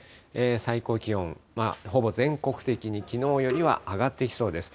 最高気温はほぼ全国的にきのうよりは上がってきそうです。